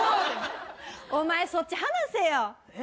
お前そっち話せよ。